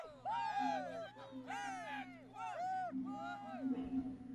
ya utiririshaji ya Bahari Aktiki ambako kuna watu wachache